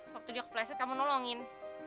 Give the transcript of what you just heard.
waktu juga kepleset kamu nolongin